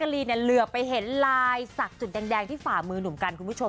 ลีเนี่ยเหลือไปเห็นลายศักดิ์จุดแดงที่ฝ่ามือหนุ่มกันคุณผู้ชม